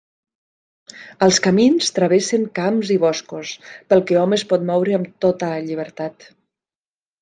Els camins travessen camps i boscos, pel que hom es pot moure amb tota llibertat.